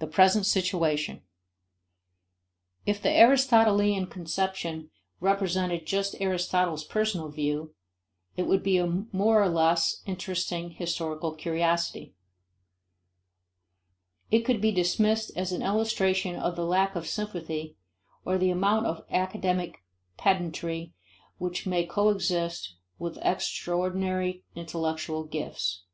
The Present Situation. If the Aristotelian conception represented just Aristotle's personal view, it would be a more or less interesting historical curiosity. It could be dismissed as an illustration of the lack of sympathy or the amount of academic pedantry which may coexist with extraordinary intellectual gifts.